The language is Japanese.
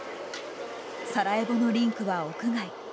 サラエボのリンクは屋外。